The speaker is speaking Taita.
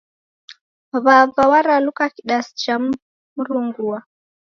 W'aw'a waraluka kidasi cha mrungua.